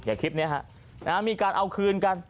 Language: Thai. คลิปนี้ฮะมีการเอาคืนกัน